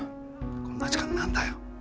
こんな時間に何だよ。